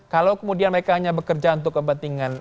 kalau kemudian mereka hanya bekerja untuk kepentingan